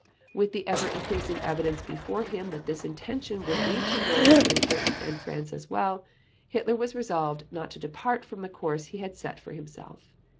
With the ever increasing evidence before him that this intention would lead to war with Great Britain and France as well, Hitler was resolved not to depart from the course he had set for himself.